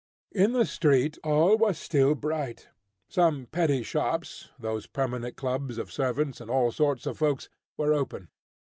In the street all was still bright. Some petty shops, those permanent clubs of servants and all sorts of folks, were open.